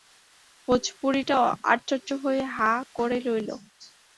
ভোজপুরীটা আশ্চর্য হয়ে হাঁ করে রইল।